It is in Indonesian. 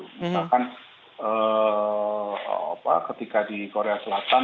misalkan ketika di korea selatan